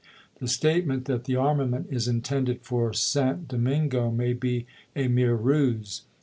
The state toToombs, ment that the armament is intended for St. MS. ' Domingo may be a mere ruse."